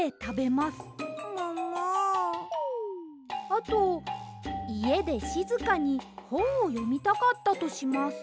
あといえでしずかにほんをよみたかったとします。